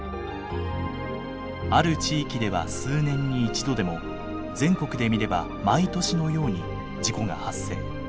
ある地域では数年に一度でも全国で見れば毎年のように事故が発生。